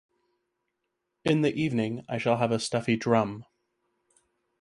In the evening I shall have a stuffy drum.